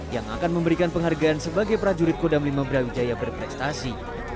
yang akan memberikan penghargaan sebagai prajurit kodam lima brawijaya berprestasi